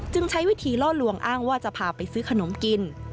ใช้วิธีล่อลวงอ้างว่าจะพาไปซื้อขนมกิน